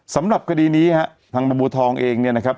สำหรับคดีนี้ฮะทางบรรบูทองเองเนี่ยนะครับ